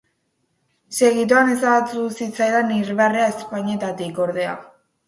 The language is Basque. Segituan ezabatu zitzaigun irribarrea ezpainetatik, ordea.